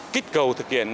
kích cầu thực hiện